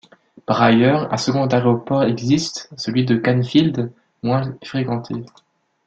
Par ailleurs, un second aéroport existe, celui de Cannefield, moins fréquenté.